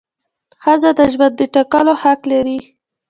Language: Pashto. ښځه د ژوند د ټاکلو حق لري.